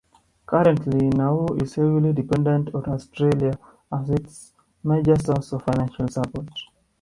Currently, Nauru is heavily dependent on Australia as its major source of financial support.